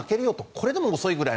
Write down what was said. これでも遅いくらい。